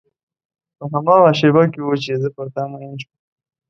په هماغه شېبه کې و چې زه پر تا مینه شوم.